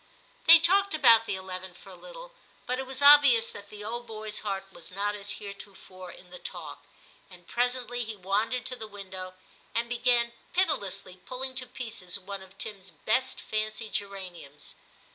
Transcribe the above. They talked about the eleven for a little, but it was obvious that the old boy's heart was not as heretofore in the talk, and presently he wandered to the window, and began piti lessly pulling to pieces one of Tim's best fancy geraniums.